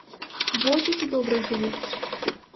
Во дзеці добра жывуць.